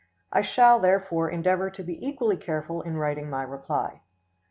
I shall, therefore, endeavor to be equally careful in writing my reply.